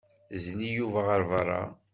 Zelli Yuba ɣer beṛṛa.